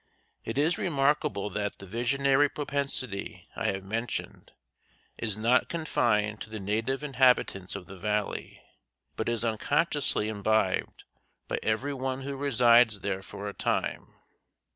It is remarkable that the visionary propensity I have mentioned is not confined to the native inhabitants of the valley, but is unconsciously imbibed by every one who resides there for a time.